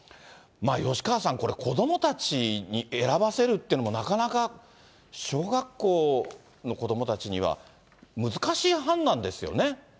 吉川さん、子どもたちに選ばせるっていうのも、なかなか小学校の子どもたちには、難しい判断ですよね。